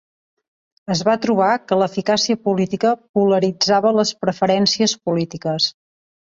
Es va trobar que la eficàcia política polaritzava les preferències polítiques.